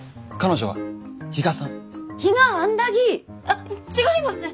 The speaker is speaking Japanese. あっ違います！